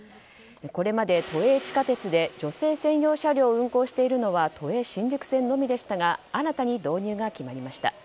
これまで都営地下鉄で女性専用車両を運行しているのは都営新宿線のみでしたが新たに導入が決まりました。